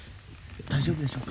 大丈夫でしょうか？